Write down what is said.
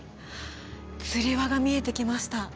つり輪が見えてきました